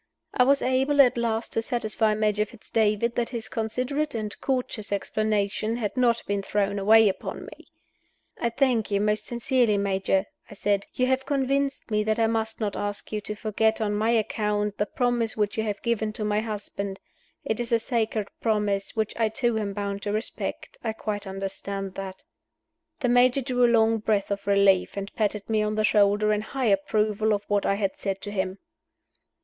I was able at last to satisfy Major Fitz David that his considerate and courteous explanation had not been thrown away upon me. "I thank you, most sincerely, Major," I said "You have convinced me that I must not ask you to forget, on my account, the promise which you have given to my husband. It is a sacred promise, which I too am bound to respect I quite understand that." The Major drew a long breath of relief, and patted me on the shoulder in high approval of what I had said to him.